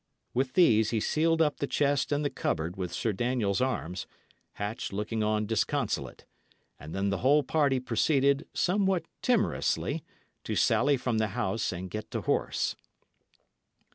With these he sealed up the chest and the cupboard with Sir Daniel's arms, Hatch looking on disconsolate; and then the whole party proceeded, somewhat timorously, to sally from the house and get to horse.